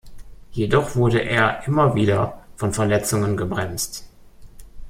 Jedoch wurde er immer wieder von Verletzungen gebremst.